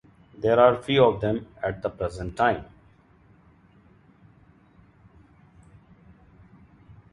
There are few of them at the present time.